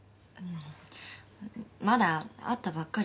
まだ会ったばっかりで。